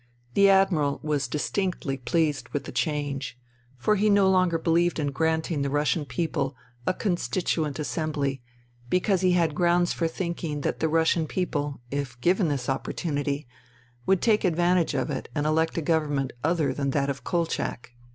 The Admiral was distinctly pleased with the change ; for he no longer believed in granting the Russian people a Constituent Assembly because he had grounds for thinking that the Russian people, if given this opportunity, would take advantage of it and elect a government other than that of Kolchak.